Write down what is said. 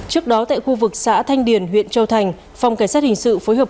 trước đó tại khu vực xã thanh điền huyện châu thành phòng cảnh sát hình sự phối hợp